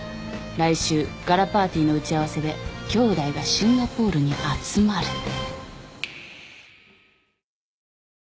来週ガラパーティーの打ち合わせできょうだいがシンガポールに集まる。